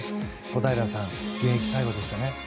小平さん、現役最後でしたね。